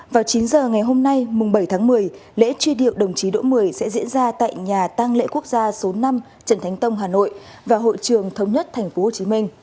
vào chín giờ ngày hôm nay mùng bảy tháng một mươi lễ truy điệu đồng chí đỗ mười sẽ diễn ra tại nhà tăng lễ quốc gia số năm trần thánh tông hà nội và hội trường thống nhất tp hcm